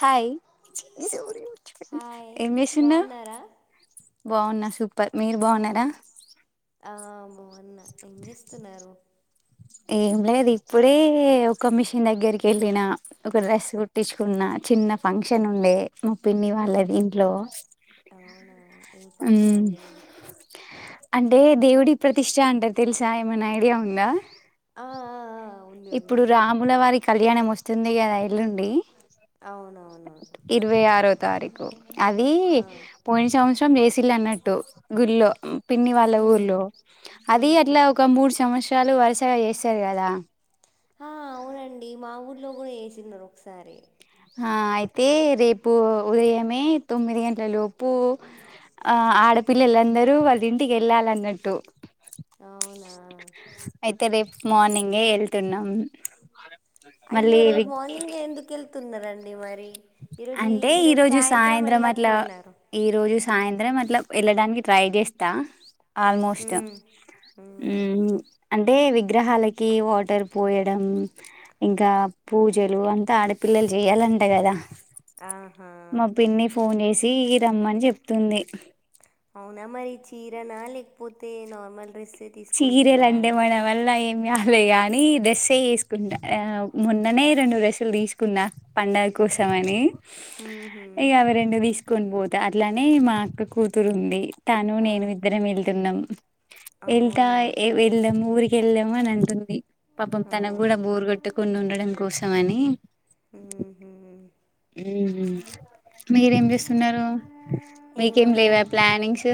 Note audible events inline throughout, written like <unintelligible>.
Hi hi ఏమ చేసింద్ బాగున్నారా? బాగున్నా సూపర్ మీరు బాగున్నారా ఆము కొన్న ఏం చేస్తున్నారు ఏం లేదు ఇప్పుడే ఒక మిషన్ దగ్గరికి కెళ్ళిన ఒక డ్రెస్ కుట్టించుకున్నా చిన్న ఫంక్షన్ ఉండే మా పిన్ని వాళ్ళది ఇంట్లో అవునా ఏం ఫంక్షన్ ఉమ్, అండి అంటే దేవుడి ప్రతిష్ఠ అంటారు తెలుసా ఏమన్నా ఐడియా ఉందా ఆ! ఆ! ఆ! ఉంది <inaudible> ఇప్పుడు ఉంది. రాముల వారి కళ్యాణం మొస్తుంది కదా ఎల్లుండి అవునవునవును. ఇరవై ఆరో తారీఖు అది ఆ! పోయిన సంవత్స వేసిల్లు అన్నట్టు గుళ్ల్ పిన్ని వాళ్ళ హ్మ్. ఊర్లో అది హుహు. అట్లా ఒక మూడు సమస్రలు చాలు వరుసగా చేస్తారు కదా ఆ అవునండి మా ఊర్లో కూడా వ చిన్నారు ఒకసారి ఆ అయితే రేపు ఉదయమే తొమ్మిది గంటలలోపు ఆ ఆడపిల్లలందరూ వాళ్ళ ఇంటికి వెళ్ళాలన్నట్టు అవునా అయితే రేపు మార్నింగే వెళ్తున్నాం అయ్యో మళ్ళీ రేపు మార్నింగ్ ఎందుకు వెళ్తున్నండి అది మరి ఈరోజు అంటే ఈ ఈరోజు రోజు సాయంత్రం అట్లా వెళ్ళకపోయినారు. ఈ రోజు సాయంత్రం మట్ల వెళ్ళడానికి ట్రై చేస్తా ఆల్మోస్ట్ హ్మ్. హ్మ్. అంటే వి వి గ్రహాలకి వాటర్ పోయడం ఇంకా పూజలు అంతా ఆడపిల్లలు చేయాలంటా కదా ఆహా! మా పిన్న ఫోన్ చేసి తీగి రమ్మని చెప్తుంది అవునా మరి చీరనా లేకపోతే నార్మల్ రెస్ చిరెలు అండే మవల్లా సమ్యాలే ని దెసే వసుకుంటా ఆ మొన్ననే రెండు రసలు తీసుకున్నా పండగ ఆ, కూశమని మ్మ్హ. ఇంక అవ రెండు తీసు కొని పోతా అట్లానే మా అక్క కూతురు ఉంది తాను ఆ, నేను ఇద్దరం వెళ్తున్నాం ఎల్దా అవునా వెల్దా ఊరికి కెళ్ళాము అని అంటుంది పాపం తన కూడా అవును బోరుగట్టుకుని ఉండడం కోసం అని ఉహు ఉహు మీరేం చేస్తున్నారు మీకేం లేవా ఏముందండి ప్లానింగ్స్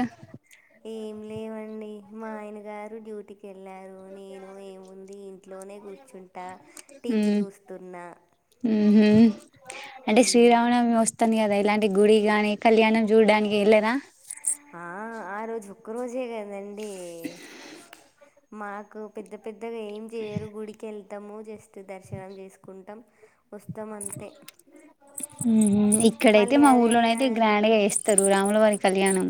ఏం లేవండి మా ఆయన గారు డ్యూటీకి వెళ్ళారు నేను ఏముంది ఇంట్లోనే కూర్చుంట అ టీవీ చూస్తున్న ఉహ అంటే శ్రీరావణమి వస్త వస్తుది కదా ఇలాంటి గుడి కానీ కళ్యాణం చూడడానికి వెళ్ళదా ఆ ఆ రోజు ఒక రోజే కదండి ప మాకు పెద్ద పెద్దగా ఏం చేయరు గుడికి వెళ్తాము జస్ దర్శనం చేసుకుంటాం ఉస్తమంత హు ఇక్కడైతే మా ఊర్లోన అయినా అయితే గ్రాండ్ గా వేస్తారు రాముల వారికి కళ్యాణం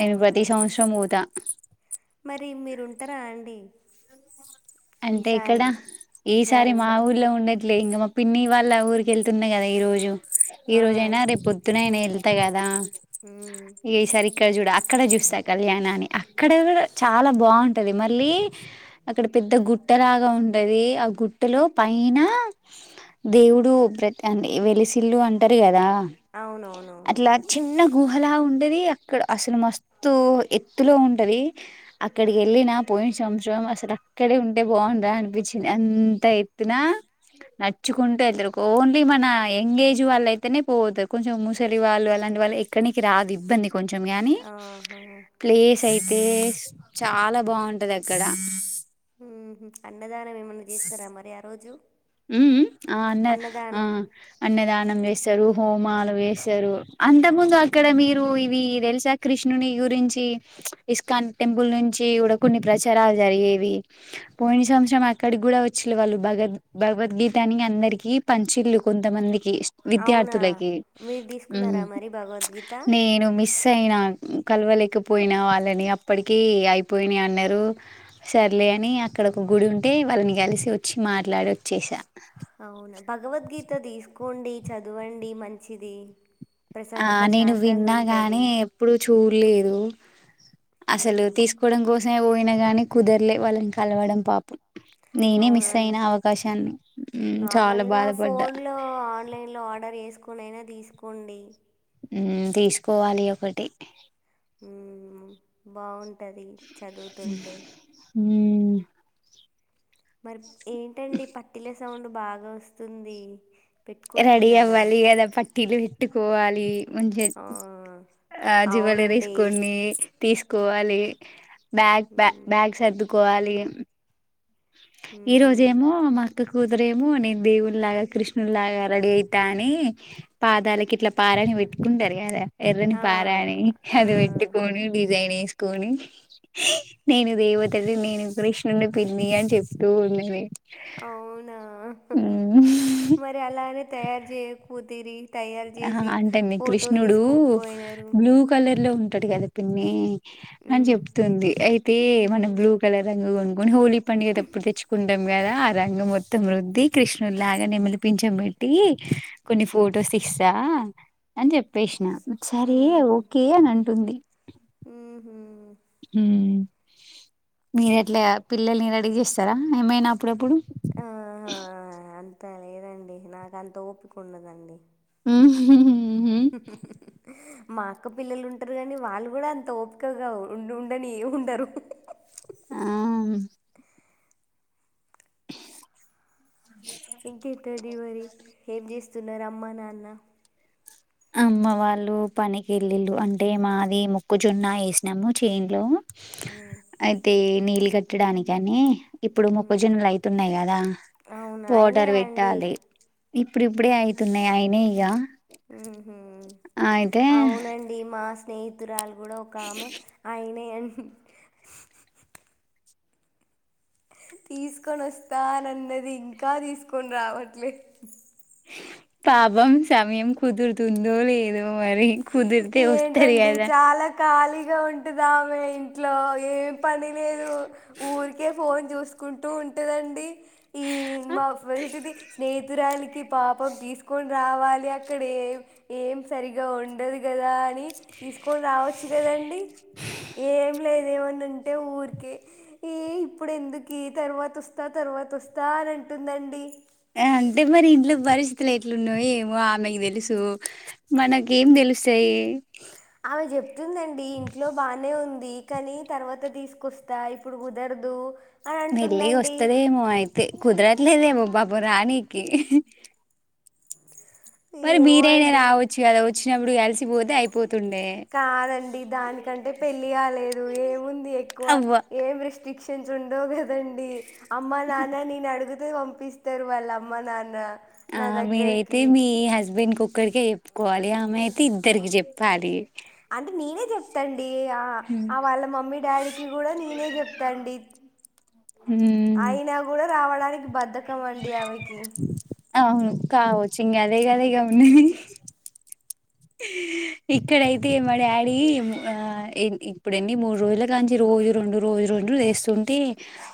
నేను ప్రతి సంవత్సరం పోతా మరి మీరుంటారా అండి అంటే ఇక్కడ ఈసారి ఈసారి మా ఊర్లో ఉండే ఇట్లే ఇంకా మా పిన్ని వాళ్ళ ఊరికి వెళ్తున్నా కదా ఈ రోజు ఈ ఆ రోజయినా ఇక్ రేపు పొద్దునయినా వెళ్తా అంత కదా మ్మ్ ఇగ ఈసారికి ఇక్క చూడ అక్కడ చూస్తా కళ్యాణ అని అక్కడ కూడా చాలా బాగుంటది మళ్ళీ అక్కడ పెద్ద గుట్ట లాగా ఉంటది ఆ గుట్టలో పైన దేవుడు ఆ వెలిసిల్లు అంటారు కదా అవునవునవును అట్లా చిన్న గుహలా ఉంటది అక్కడ అసలు మస్తు ఎత్తులో ఉంటది అక్కడికి ఎళ్ళిన పోయిన సంవత్సరం అసలు ఇక్కడే ఉంటే బాగుండు అనిపించింది. అంత ఎత్తున నడుచ్చుకుంటూ వెళ్తారు ఓన్లీ మన యంగ్ ఏజ్ వాళ్ళు అయితేనే పోతారు కొంచెం ముసలి వాళ్ళు అలాంటి వాళ్ళు ఎక్కడికి రాదు ఇబ్బంది కొంచెం కానీ ఆహా ప్లేస్ అయితే చాలా బాగుంటది అక్కడ ఉహు అ అన్నదానం ఏమన్నా చేస్తారా మరి ఆ రోజు ఊ ఆ అన్న ఆ అన్నదానం అన్నదానం స్తారు హోమాలు వేస్తారు అంత ముందు అక్కడ మీరు ఇవి తెలుసా కృష్ణుని గురించి ఇస్కాన్ టెంపుల్ నుంచి కూడా కొన్ని ప్రచారాలు జరిగేవి పోయిన సంవత్సరం అక్కడి కూడా వచ్చే వాళ్ళు భగద్ భగవద్గీతని అందరికి పంచిళ్ళు కొంతమంది అవునా విద్యార్థులకి మీరు ఉ తీసుకున్నారా మరి భగవద్గీత నేను మిస్ అయినా కలవలేకపోయినా వాళ్ళని అప్పటికి అయిపోయిన అన్నారు సర్లే అని అక్కడ ఒక గుడి ఉంటే వాళ్ళని కలిసి వచ్చి మాట్లాడవచ్చు చేసా అవునా భగవద్గీత తీసుకోండి చదవండి మంచిది ప్రశా ఆ నేను ప్రశాంతంగా విన్నా గాని ఉంటుంది ఎప్పుడు చూడలేదు అసలు తీసుకోవడం కోసమే వినగానే కుదరలే వాళ్ళని కలవడం పాపం నేనే మిస్ అవునను అయిన అవకాశాన్ని మ్మ్ చాలా నార్మల్గా బాధపడ్డా ఫోన్లో ఆన్ లైన్ ఆర్డర్ చెసుకునియినా తీసుకోండి ఉ తీసుకోవాలి ఒకటి హు బాగుం ది చదువుతుంటే ఊ మరి ఏంటండి పట్టిలేస్ సౌండ్ బాగా వస్తుంది రెడి పెట్టుకుంటున్నారా అవాలి కద పట్టిలు పెట్టు కోవాలి మంచిగ ఆ, ఆ జ్యువెలరీస్ అవునండి కొన్ని తీసుకోవాలి బ్యాగ్ బ మ్మ్. బ్యాగ్ సర్దుకోవాలి క్ ఈ మ్మ్హ్మ్. రోజేమో మా అక్క కూతురేమో నేను దేవుళ్లాగా కృష్ణులాగా రెడీ అయితా అని పాదాలకు ఇట్లా పారని పెట్టుకుంటారు కదా ఎర్రని ఆ, పారని ఆ, అది వెట్టుకొని డిజైన్ ఎస్ కొని నేను దేవతది నేను కృష్ణున్ని పిల్ నీ అని చెప్తూ ఉన్నది అవునా ఉమ్. మరి అలానే తయారు చేయకపోతిరి ఆహా అంటే నే కృష్ణుడు తీసుకోకపోయినారు బ్లూ కలర్ లో తోటి కల్పిన నీలి అని మ్మ్. చెప్తుంది అయితే మనం మ్మ్హ్మ్. బ్లూ కలర్ రంగు ఉం కొని హోలీ పండుగ తప్పుడు తెచ్చుకుంటాం కదా ఆ రంగు మొత్తం రుద్ది కృష్ణునిలాగా నేమలిపింఛంబేట్టి కొన్ని ఫొటోస్ సా అని చెప్పేసిన సరే ఓకే అని అంటుంది ఉహు ఉ మీరు ఎట్లా పిల్లల్ని రెడీ చేస్తారా ఏమైనా అప్పుడప్పుడు ఆహా అంత లేదండి నాక అంత ఓపిక ఉండదండి హ మా అక్క పిల్లలు ఉంటారు గాని వాళ్ళు కూడా అంత ఓపికగా ఉండు ఉండనే ఉండరు ఆ ఇంకేంటండి మరి ఏం చేస్ సున్నరు అమ్మ నాన్న అమ్మ వాళ్ళు పనికేలిళ్ళు అంటే మాది మొక్కజొన్న ఏసినాము చేన్లో హ్మ్. అయితే నీలి పెట్టాడానీ కని ఇప్పుడు హ్మ్. మొక్కజొన్నలు అయితున్నాయి కదా అవునా? పొడర్ అయినయా అండి? వేట్టాలి ఇప్పుడు ఇప్పుడే అయితున్నాయి అయినై ఇగ ఉహు అయితే అవునండి మాస్ స్నేహితురాలు కూడా ఒకామె అయి నేన్ హ్మ్ తీసుకొని వస్తానన్నది ఇంకా తీసుకొని రావట్లే పాపం సమయం కుదురుతుందో లేదో మరి కుదిరితే వస్తది ఏంటండి కదా చాలా ఖాళీగా ఉంటుది ఆమె ఇంట్లో యేం పని లేదు ఊరికే ఫోన్ చూసు కుంటూ ఉంటుదండి ఈ మా <unintelligible> స్నేహి తురాలికి పాపం తీసుకొని రావాలి అక్కడ యేం ఏం సరిగా ఉండదు గదా అని తీసుకొని రావచ్చు గదండి. యేంలేదు ఏమన్న అంటే ఊరికే ఈ ఇప్పుడు ఎందుకే తర్వాత వొస్తా తర్వాతొస్తా అని అంటుందండి. ఆ అంటే మరి ఇంట్లో బరిస్థితులు ఎట్లున్నో ఏమో ఆమెకి తెలుసు మనకేం దెలుస్సయి. ఆమె జెప్ తుందండి ఇంట్లో బానే ఉం ది కానీ తర్వాత దీసుకొస్తా ఇప్పుడు ఉదరదు మెళ్లిగ వస్తదేమో అయితే కుదరట్లేదేమో బా వరానీకి పరి ఏమో బీరైనా అండి దాగవొచ్చు కదా వ చ్చినప్పుడు కలిసిపోతే అయిపో కాదండి దానికంటే పెళ్ళి కాలేదు ఏముంది ఎక్కువ అవ్వ ఏరిష్ ట్రిక్షన్స్ ఉండవు గద్ నండి అమ్మా నాన్న నేను అడుగు తే వంపిస్తారు వాళ్ళ అమ్మ నాన్న ఆ నా మీరయితే దగ్గరికి మీ హస్బెండ్ కు ఒక్కరికే చెప్పుకోవాలి ఆమె అయితే ఇద్దరికి చెప్పాలి అంటే నేనే చెప్తాన్ ది ఆ వాళ్ళ మమ్మీ డాడీకి కూడా నేనే చెప్తాండి ఉమ్ అయినా కూడా రావడా <unintelligible> బద్దకమండి ఆమెకీ ఆ వచ్చింగా అదే గదా ఇగ ఉన్నేది ఇక్కడైతే మా డాడీ మ ఆ ఇం ఇప్పుడెన్ని మూడు రోజుల కాంచి రోజు రెండు రోజు రెండు వేస్తుంటే,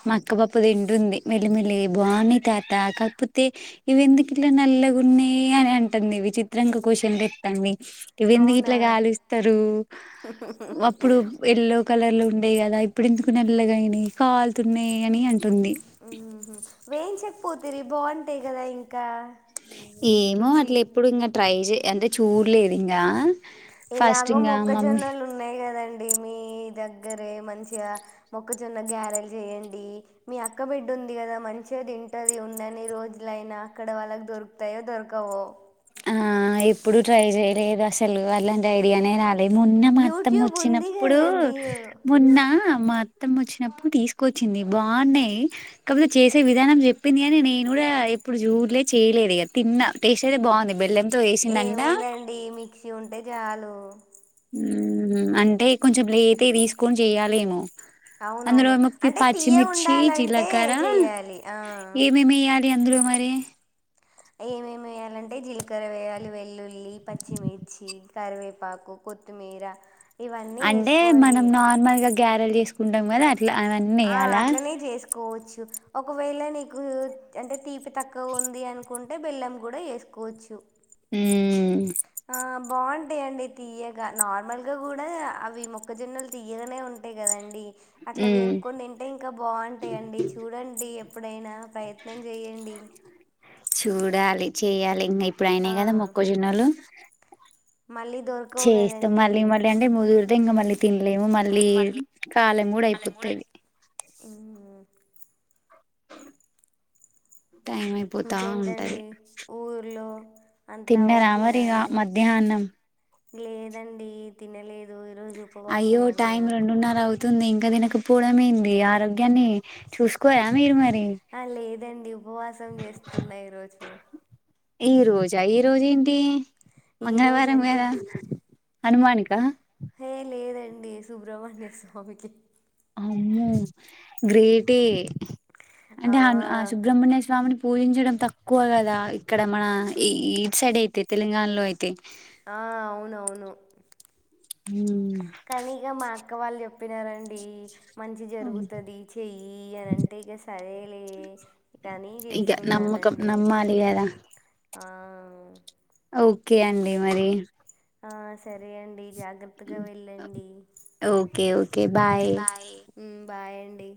మా అక్కపప్పు తింటుంది మెల్లిమెల్లిగ బాగున్నయి తాత కాకపోతే ఇవి ఎందుకు ఇట్ల నల్లగున్నయి అని అంటుందివి. చిత్రంగ క్వొశ్చన్ లే అన్నీ ఇవి ఎందుకు ఇట్ల అవునా గాలిస్తరు అప్పుడు ఎల్లో కలర్లు ఉండేయి కదా ఇప్పుడు ఎందుకు నల్లగైనాయ్ కాల్తున్నాయి అని అం మ్మ్ హ్మ్ వేం చెప్ పూతిరి బాగుంటాయి కదా ఇంకా ఏమో రుచి అట్ల ఎప్పుడు ఇంకా ట్రై చే అంటే చూడలేదు ఇంకా ఫస్ట్ ఇలాగో ఇంకా మమ్మీ మొక్కజొన్నలు ఉన్నాయి కదండి మీ దగ్గరే మంచిగా మొక్కజొన్న గ్యారెల్ చెయ్యండి. మీ అక్క బిడ్డ ఉంది కదా మంచిగాతింటది. ఉన్నని రోజులైనా అక్కడ వాళ్ళకి దొరుకుతాయో దొరకవో ఆ ఎప్పుడు ట్రై చెయలేదు అసలు అలాంటి ఐడియా నేే రాల మొన్న అత్తమ్మ యూట్యూబ్ ఉంది వచ్చినప్పుడు కదండి మొన్న మా అత్తమ్మ వచ్చినప్పుడు తీసుకొచ్చింది. బాగున్నాయి. కాపోతే చేసే విధానం చెప్పింది. కాని నేను కూడా ఎప్పుడు చూడలే చేయలేదు. ఇగ తిన్నా టేస్ట్ అయితే బాగుంది. బెల్లం ఏముందండి మిక్సీ ఉంటే చాలు ఆ ఊమ్ అంటే కొంచెం లేట్ గ తీసుకొని చెయ్యాలేమో అవునవును అంటే తీయగ ఉండాలంటే జీలకర్ర చేయాలి ఆ అందురు మరి ఏమేమి వేయాలంటే జీలకర్ర వేయాలి. వెల్లుల్లి, పచ్చిమిర్చి, కరివేపాకు, కొత్తిమీర ఇవన్నీ అంటే వేసుకోవాలి మనం నార్మల్ గా గ్యారల్ చేసుకుంటాం కదా అ ఆ అట్లనే చేసుకోవచ్చు. ఒకవేళ నీకు అంటే తీపి తక్కువ ఉంది. అనుకుంటే బెల్లం కూడా వేసుకోవచ్చు. హ్మ్ బాగుంటాయి అండి. తీయగా నార్మల్గా కూడా అవి మొక్కజొన్నలు తియ్యగనే ఉంటాయి కదండి. అట్లా ఉమ్ వేంపుకొని తింటే ఇంకా బాగుంటాయి అండి చూడండి. అప్పుడైనా ప్రయత్నం చేయండి చూడాలి చేయాలి ఇంగ ఆ, ఇప్పుడయినాయి కదా మొక్కజొన్నలు మళ్ళీ దొరకవు చేస్తాం కదండి మళ్ళీ మళ్ళీ అంటే ముదురు అయితే మల్లికి తినలేము మళ్ళీ కాలం కూడా అయిపోతది టైం అయిపోతా ఇంకేంటండి ఊర్లో <inaudible> తిన్నరా ఓకేనా మరిగా అండి మధ్యాహ్నం లేదండి తినలేదు ఈరోజు అయ్యో ఉపవాసం అండి టైం నాకు రెండున్నర అవుతుంది ఇం ఇంకా తినకపోవడం ఏంది ఆరోగ్యాన్ని చూసుకోరా మీరు మరి ఆ లేదండి. ఉపవాసం చేస్తున్నా ఈరోజు. ఈ రోజా, ఈ రోజు ఏంటీ. ఈరోజు మంగళవారం అంటే గదా హనుమాన్కా. డి. సుబ్రమణ్య స్వామికి. అమ్మో గ్రేటే. అంటే ఆ, హను సుబ్రహ్మణ్య స్వామిని. పూజించడం తక్కువ గదా, ఇక్కడ మనా ఈ ఇటు సైడ్ అయితే తెలంగాణలో అయితే. ఆ అవును అవును హ్మ్ కానీ ఇగ మా అక్ క్క వాళ్ళు చెప్పినరండీ. మంచి ఉమ్, జరుగుతది చెయ్యీ అని అంటే ఇగ సరేలే ఇగనీ ఇక నమ్మకం చేస్తున్నానండీ. నమ్మాలి కదా ఆ ఓకే అండి మరీ. ఆ సరే అండి. జాగ్రత్తగా ఉమ్, వెళ్ళండీ. ఓకే ఓకే బాయ్ ఉమ్ బాయండి.